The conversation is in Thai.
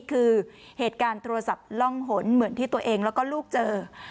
คือเหตุการณ์โทรศัพท์ล่องหนเหมือนที่ตัวเองแล้วก็ลูกเจอ